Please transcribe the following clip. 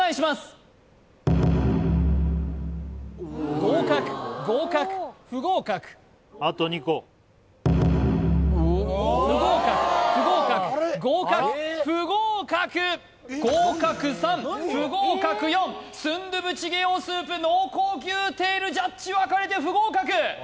合格合格不合格不合格不合格合格不合格合格３不合格４スンドゥブチゲ用スープ濃厚牛テールジャッジ分かれて不合格！